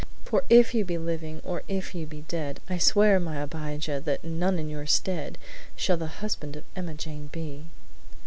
For if you be living, or if you be dead, I swear, my Abijah, that none in your stead, Shall the husband of Emmajane be!'"